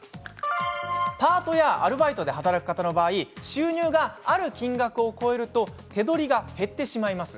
パートやアルバイトで働く方の場合収入がある金額を超えると手取りが減ってしまいます。